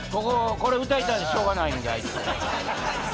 これ歌いたぁてしょうがないんであいつ。